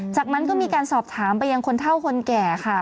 จากนั้นก็มีการสอบถามไปยังคนเท่าคนแก่ค่ะ